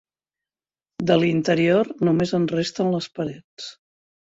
De l'interior només en resten les parets.